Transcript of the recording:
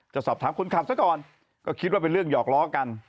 จะสอบถามคนขับซะก่อนก็คิดว่าเป็นเรื่องหยอกล้อกัน